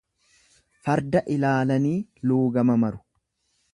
Farda ilaalanii luugama maru.